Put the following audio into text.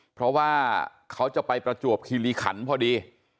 เพราะว่าเขาจะไปประจวบคิริขันพอดี